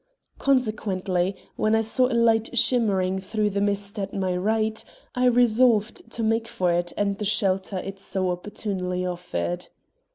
Consequently, when I saw a light shimmering through the mist at my right, I resolved to make for it and the shelter it so opportunely offered.